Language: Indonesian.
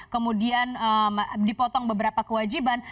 kemudian dipotong beberapa kewajiban